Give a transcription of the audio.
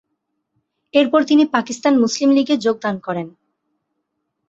এরপর তিনি পাকিস্তান মুসলিম লীগে যোগদান করেন।